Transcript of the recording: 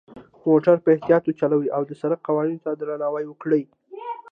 موټر په اختیاط وچلوئ، او د سرک قوانینو ته درناوی وکړئ.